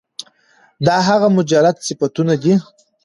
دا هغه مجرد صفتونه دي